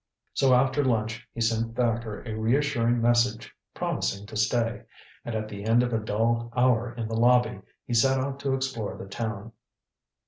So after lunch he sent Thacker a reassuring message, promising to stay. And at the end of a dull hour in the lobby, he set out to explore the town.